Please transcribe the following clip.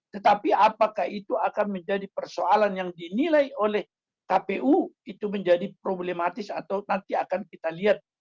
tetapi apakah itu akan menjadi persoalan yang dinilai oleh kpu itu menjadi problematis atau nanti akan kita lihat